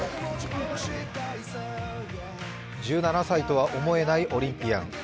１７歳とは思えないオリンピアン。